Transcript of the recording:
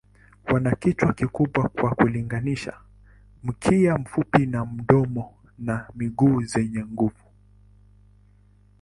Wana kichwa kikubwa kwa kulinganisha, mkia mfupi na domo na miguu zenye nguvu.